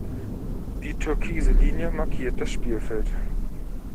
Die türkise Linie markiert das Spielfeld.